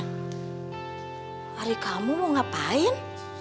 hari kamu mau ngapain